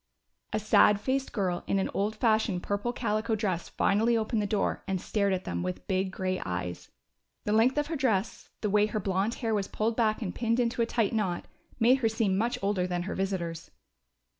A sad faced girl in an old fashioned purple calico dress finally opened the door and stared at them with big gray eyes. The length of her dress, the way her blond hair was pulled back and pinned into a tight knot, made her seem much older than her visitors.